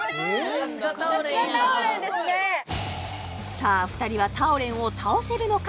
さあ２人はタオレンを倒せるのか？